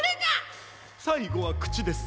さいごはくちです。